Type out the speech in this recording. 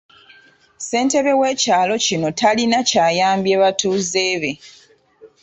Ssentebe w’ekyalo kino talina ky’ayambye batuuze be.